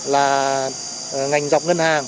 là ngành dọc ngân hàng